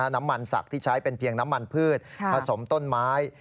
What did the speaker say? น้ำมันสักที่ใช้เป็นเพียงน้ำมันพืชผสมต้นไม้